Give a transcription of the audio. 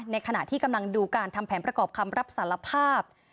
ขณะที่กำลังดูการทำแผนประกอบคำรับสารภาพ